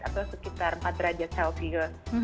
atau sekitar empat derajat celcius